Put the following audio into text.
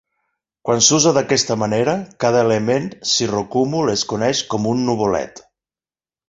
Quan s'usa d'aquesta manera, cada element cirrocúmul es coneix com un "nuvolet".